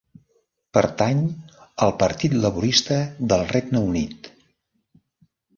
Pertany al Partit Laborista del Regne Unit.